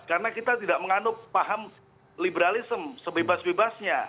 karena kita tidak mengandung paham liberalism sebebas bebasnya